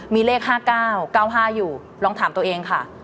มีเลข๕๙๙๕อยู่ลองถามตัวเองค่ะ